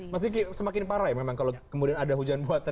mas diki semakin parah ya memang kalau kemudian ada hujan buatan